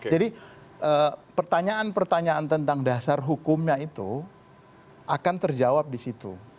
jadi pertanyaan pertanyaan tentang dasar hukumnya itu akan terjawab di situ